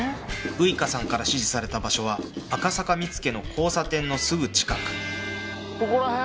ウイカさんから指示された場所は赤坂見附の交差点のすぐ近くここらへん？